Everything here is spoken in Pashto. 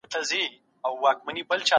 افغان لښکر د اصفهان دروازې ته ورسېد.